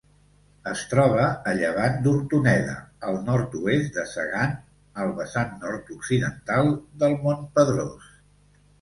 Es troba a llevant d'Hortoneda, al nord-oest de Segan, al vessant nord-occidental del Montpedrós.